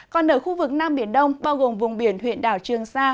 còn ở khu vực nam biển đông bao gồm vùng biển huyện đảo trường sa